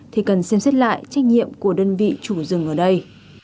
thì cần xem xét lại trách nhiệm của đơn vị chủ dịch